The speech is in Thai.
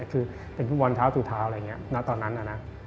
คือเป็นฟุตบอลเท้าสู่เท้าอะไรอย่างนี้ณตอนนั้นนะ